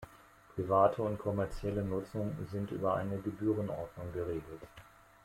Private und kommerzielle Nutzung sind über eine Gebührenordnung geregelt.